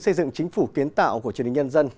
xây dựng chính phủ kiến tạo của truyền hình nhân dân